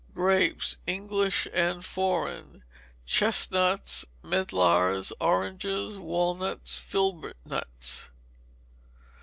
Grapes: English and foreign. Chestnuts, medlars, oranges, walnuts, filbert nuts.